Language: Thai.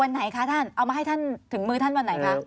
ไหนคะท่านเอามาให้ท่านถึงมือท่านวันไหนคะ